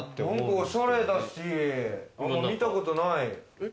おしゃれだし、みたことない。